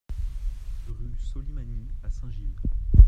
Rue Solimany à Saint-Gilles